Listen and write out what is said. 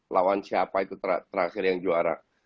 lawan siapa itu terakhir yang juara